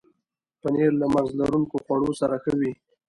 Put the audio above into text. پنېر له مغز لرونکو خواړو سره ښه وي.